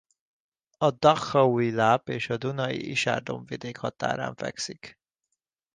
A Dachaui-láp és a Duna-Isar-dombvidék határán fekszik.